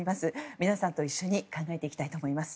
皆さんと一緒に考えていきたいと思います。